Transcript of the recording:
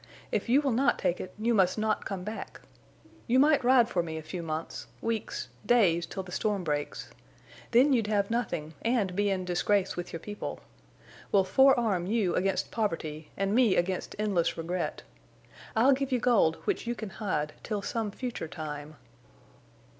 If you will not take it you must not come back. You might ride for me a few months—weeks—days till the storm breaks. Then you'd have nothing, and be in disgrace with your people. We'll forearm you against poverty, and me against endless regret. I'll give you gold which you can hide—till some future time."